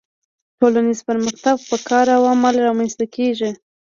ټولنیز پرمختګ په کار او عمل رامنځته کیږي